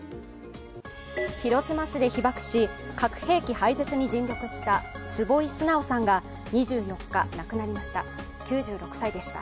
広島市で被爆し、核兵器廃絶に尽力した坪井直さんが２４日亡くなりました。